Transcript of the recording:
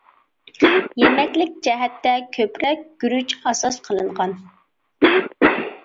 يېمەكلىك جەھەتتە كۆپرەك گۈرۈچ ئاساس قىلىنغان.